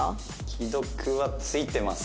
既読はついてます。